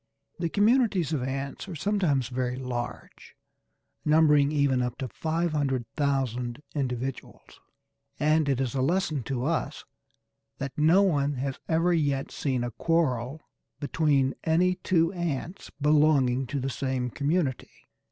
The communities of ants are sometimes very large, numbering even up to 500,000 individuals; and it is a lesson to us, that no one has ever yet seen a quarrel between any two ants belonging to the same community.